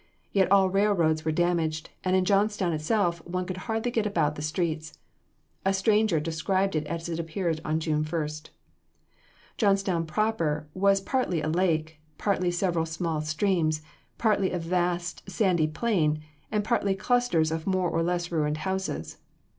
Yet all railroads were damaged, and in Johnstown itself one could hardly get about the streets. A stranger describes it as it appeared on June 1: "Johnstown proper was partly a lake, partly several small streams, partly a vast sandy plain, and partly clusters of more or less ruined houses.